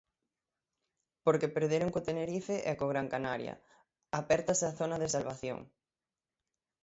Porque perderon co Tenerife e co Gran Canaria, apértase a zona de salvación.